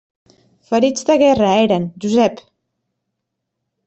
Ferits de guerra, eren, Josep!